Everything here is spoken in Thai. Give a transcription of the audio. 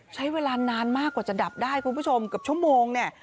ใช้เวลานานมากกว่าจะดับได้คุณผู้ชมเกือบชั่วโมงเนี่ย